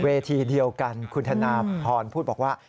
ทีเดียวกันคุณธนาพรพูดบอกว่า